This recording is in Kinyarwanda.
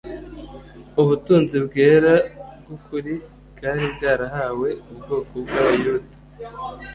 Ubutunzi bwera bw'ukuri bwari bwarahawe ubwoko bw' abayuda;